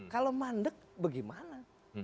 kalau mandek bagaimana